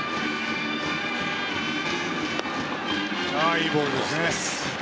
いいボールですね。